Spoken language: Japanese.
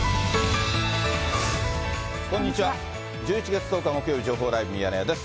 １１月１０日木曜日、情報ライブミヤネ屋です。